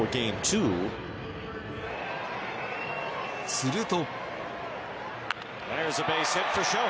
すると。